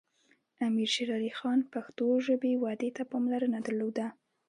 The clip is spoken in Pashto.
امیر شیر علی خان پښتو ژبې ودې ته پاملرنه درلوده.